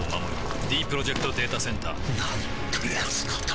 ディープロジェクト・データセンターなんてやつなんだ